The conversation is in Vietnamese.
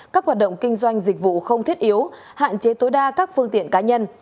các hoạt động kinh doanh dịch vụ không thiết yếu hạn chế tối đa các phương tiện cá nhân